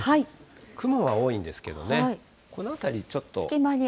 雲は多いんですけどね、この辺り、ちょっと。